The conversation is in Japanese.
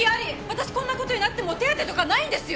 私こんな事になっても手当とかないんですよ。